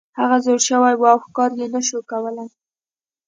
هغه زوړ شوی و او ښکار یې نشو کولی.